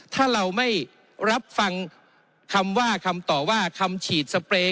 ถ้าเราไม่รับฟังคำว่าคำตอบว่าคำฉีดสเปรย์